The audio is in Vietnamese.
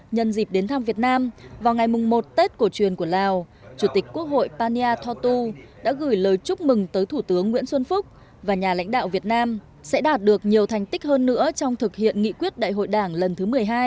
nhân dịp đến thăm việt nam vào ngày một tết cổ truyền của lào chủ tịch quốc hội pani thotu đã gửi lời chúc mừng tới thủ tướng nguyễn xuân phúc và nhà lãnh đạo việt nam sẽ đạt được nhiều thành tích hơn nữa trong thực hiện nghị quyết đại hội đảng lần thứ một mươi hai